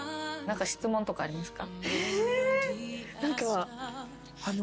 何か質問とかありますか？